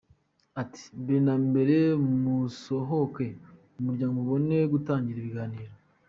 Ati “ Mbere na mbere musohoke mu muryango, mubone gutangira ibiganiro.